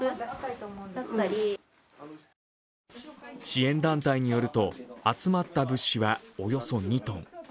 支援団体によると集まった物資はおよそ２ｔ。